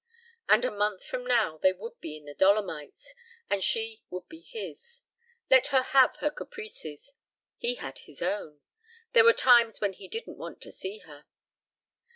And a month from now they would be in the Dolomites, and she would be his. Let her have her caprices. He had his own. There were times when he didn't want to see her.